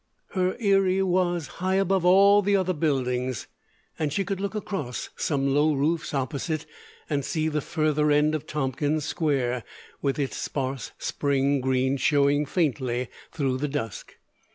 Her eyry was high above all the other buildings, and she could look across some low roofs opposite and see the further end of Tompkins Square, with its sparse spring green showing faintly through the dusk.